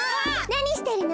なにしてるの？